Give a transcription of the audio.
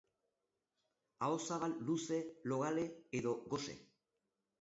Ahozabal luze, logale edo gose.